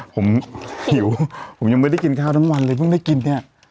ผมหิวผมยังไม่ได้กินข้าวทั้งวันเลยเพิ่งได้กินเนี่ย